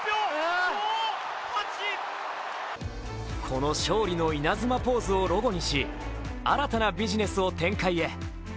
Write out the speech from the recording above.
この勝利の稲妻ポーズをロゴにし新たなビジネスを展開へ。